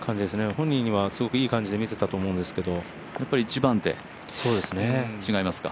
本人はすごくいい感じで見ていたと思うんですけどやっぱり１番手違いますか？